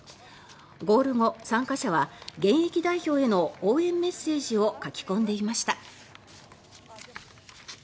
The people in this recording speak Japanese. ゴール後、参加者は現役代表への応援メッセージを書き込んでいました。